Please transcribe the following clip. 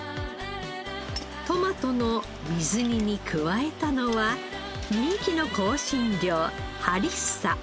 トマトの水煮に加えたのは人気の香辛料ハリッサ。